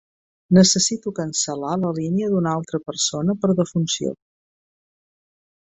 Necessito cancel·lar la línia d'una altra persona per defunció.